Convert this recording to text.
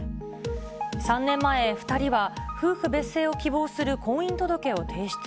３年前、２人は夫婦別姓を希望する婚姻届を提出。